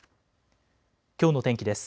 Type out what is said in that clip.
きょうの天気です。